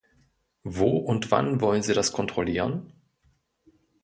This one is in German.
Wo und wann wollen Sie das kontrollieren?